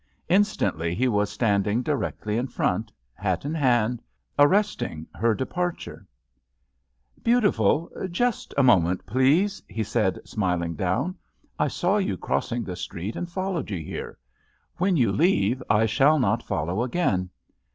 Instantly he was standing directly in front, hat in hand, arrest ing her departure : "Beautiful, just a moment, please," he said, smiling down, "I saw you crossing the street and followed you here. When you leave I shall not follow again.